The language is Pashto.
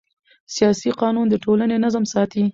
سیاسي قانون د ټولنې نظم ساتي